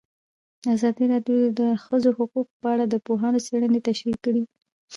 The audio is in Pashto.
ازادي راډیو د د ښځو حقونه په اړه د پوهانو څېړنې تشریح کړې.